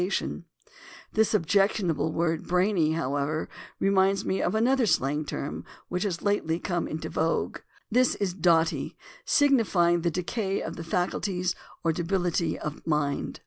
266 THE ORIGIN OF CERTAIN AMERICANISMS This objectionable word "brainy," however, reminds me of another slang term which has lately come into vogue. This is "dotty," signifying the decay of the faculties or debility of mind.